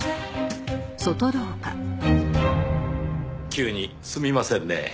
急にすみませんねぇ。